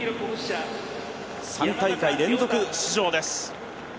３大会連続出場です。